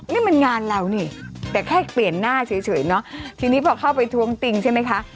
นี่มันงานเรานี่แต่แค่เปลี่ยนหน้าเฉยเนอะทีนี้พอเข้าไปท้วงติงใช่ไหมคะ